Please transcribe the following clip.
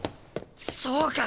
そうか！